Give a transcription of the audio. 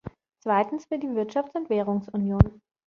Zweitens für die Wirtschafts- und Währungsunion.